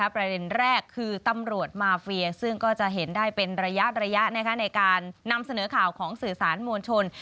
ประเด็นแรกคือตำรวจมาเฟียซึ่งก็จะเห็นได้เป็นระยะในการนำเสนอข่าวของสื่อสารมวลชน